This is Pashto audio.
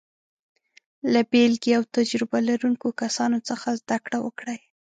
له بېلګې او تجربه لرونکو کسانو څخه زده کړه وکړئ.